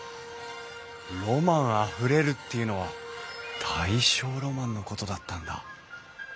ロマンあふれるっていうのは大正ロマンのことだったんだ。